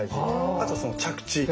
あとその着地。